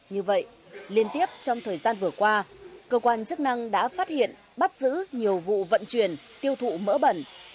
như vậy liên tiếp trong thời gian vừa qua cơ quan chức năng đã phát hiện bắt giữ nhiều vụ vận chuyển tiêu thụ mỡ bẩn